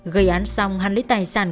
gây án xong hắn lấy tài sản